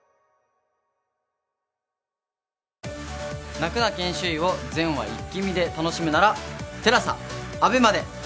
『泣くな研修医』を全話イッキ見で楽しむならＴＥＬＡＳＡＡＢＥＭＡで。